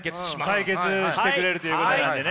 解決してくれるということなんでね。